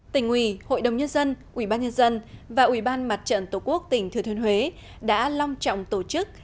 tỉnh ủy hội đồng nhân dân ubnd và ubnd tổ quốc tỉnh thừa thiên huế đã long trọng tổ chức